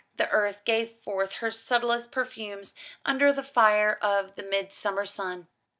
The earth gave forth her subtlest perfumes under the fire of the midsummer sun.